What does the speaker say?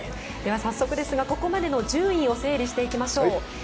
早速ですがここまでの順位を整理していきましょう。